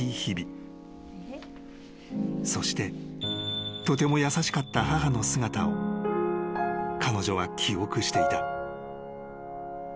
［そしてとても優しかった母の姿を彼女は記憶していた］